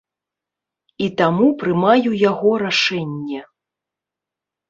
І таму прымаю яго рашэнне.